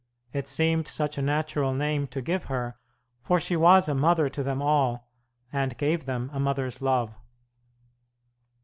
It seemed such a natural name to give her, for she was a mother to them all, and gave them a mother's love.